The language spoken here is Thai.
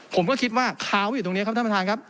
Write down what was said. ผมก็คิดว่าค้างอยู่ตรงนี้ครับท่านประธานครับ